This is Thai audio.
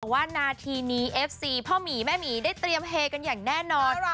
ว่านาทีนี้เอฟซีพ่อหมีแม่หมีได้เตรียมเฮกันอย่างแน่นอน